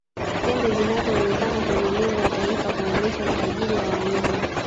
pembe zinazoonekana kwenye nembo ya taifa huonesha utajiri wa wanyama